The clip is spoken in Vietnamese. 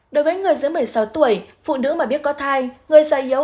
đối với người dưới một mươi sáu tuổi phụ nữ mà biết có thai người già yếu